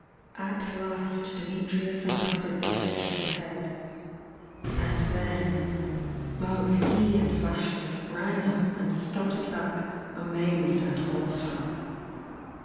At last Dimitrius uncovered the face and head — and then — ^both he and Vasho spvang up and started back, amazed and awestruck.